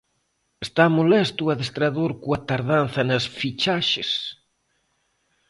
Está molesto o adestrador coa tardanza nas fichaxes?